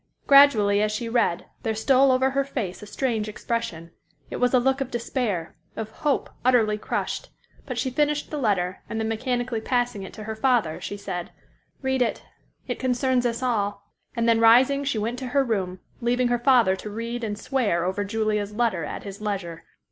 Gradually as she read there stole over her face a strange expression. It was a look of despair—of hope utterly crushed, but she finished the letter and then mechanically passing it to her father, she said, "Read it; it concerns us all," and then rising she went to her room, leaving her father to read and swear over Julia's letter at his leisure.